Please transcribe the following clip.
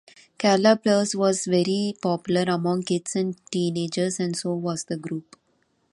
Carla Perez was very popular among kids and teenagers, and so was the group.